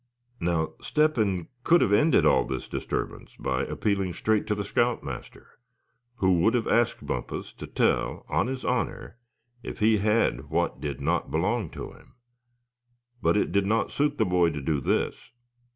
Now Step hen could have ended all this disturbance by appealing straight to the scout master, who would have asked Bumpus to tell on his honor if he had what did not belong to him. But it did not suit the boy to do this.